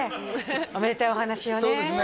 おめでたいお話をね